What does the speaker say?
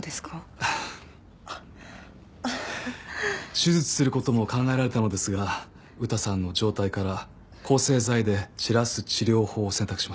手術する事も考えられたのですがうたさんの状態から抗生剤で散らす治療法を選択しました。